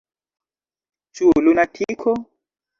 Ĉu lunatiko?